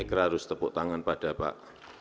saya kira harus tepuk tangan pada pak